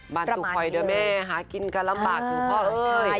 บ้านถูกคอยเด้อแม่หากินกันลำบากอยู่พ่อเฉย